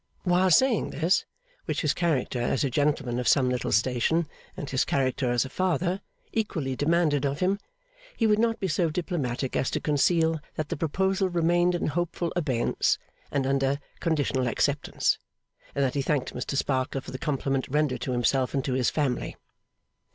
While saying this, which his character as a gentleman of some little station, and his character as a father, equally demanded of him, he would not be so diplomatic as to conceal that the proposal remained in hopeful abeyance and under conditional acceptance, and that he thanked Mr Sparkler for the compliment rendered to himself and to his family.